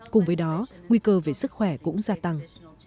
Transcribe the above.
cùng với đó nguy cơ về sức khỏe cũng gia tăng